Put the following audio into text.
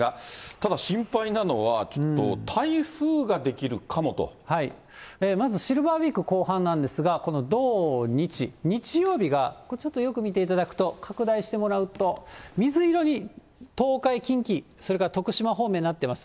ただ心配なのは、まず、シルバーウイーク後半なんですが、土、日、日曜日がちょっとこれよく見ていただくと、拡大してもらうと、水色に東海、近畿、それから徳島方面、なってます。